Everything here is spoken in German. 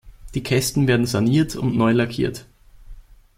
Die Kästen werden saniert und neu lackiert.